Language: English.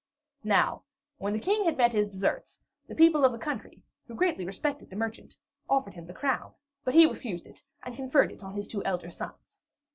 Now, when the King had met his deserts, the people of the country, who greatly respected the merchant, offered him the crown; but he refused it and conferred it on his two elder sons.